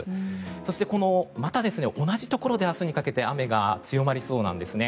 そして、また同じところで明日にかけて雨が強まりそうなんですね。